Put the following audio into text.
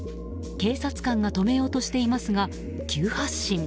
警察官が止めようとしていますが急発進。